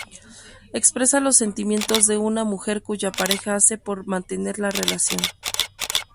Expresa los sentimientos de una mujer cuya pareja hace por mantener la relación.